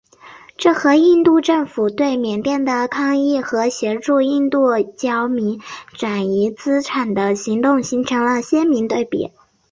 这和印度政府对缅甸的抗议和协助印度侨民转移资产的行动形成了鲜明对比。